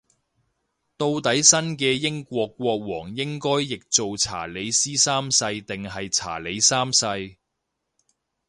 到底新嘅英國國王應該譯做查理斯三世定係查理三世